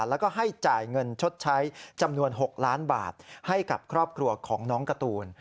แล้วก็ให้จ่ายเงินชดใช้จำนวน๖ล้านบาทให้กับครอบครัวของน้องการ์ตูน